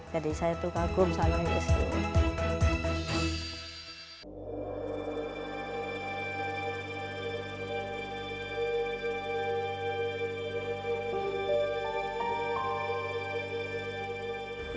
jadi saya tuh kagum sama ibu istri